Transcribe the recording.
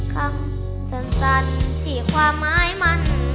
คำสั้นที่ความหมายมัน